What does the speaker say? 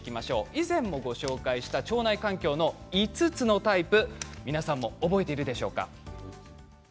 以前もご紹介した腸内環境の５つのタイプ皆さん、覚えているでしょうか。